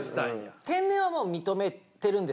天然はもう認めてるんですよ。